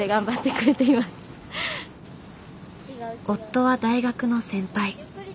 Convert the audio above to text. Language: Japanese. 夫は大学の先輩。